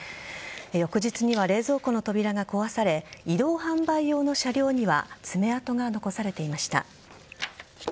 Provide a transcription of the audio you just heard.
翌日には冷蔵庫の扉が壊され移動販売用の車両には爪痕が残されていました。